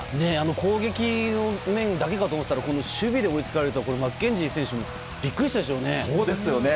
攻撃の面だけかと思ったら守備で追いつかれたマッケンジー選手もビックリしたでしょうね。